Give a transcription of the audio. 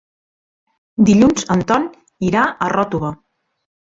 Dilluns en Ton irà a Ròtova.